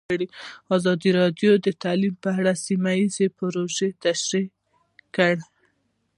ازادي راډیو د تعلیم په اړه سیمه ییزې پروژې تشریح کړې.